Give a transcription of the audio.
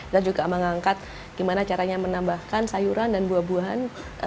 dan juga mengangkat gimana caranya menambahkan sayuran dan buah buahan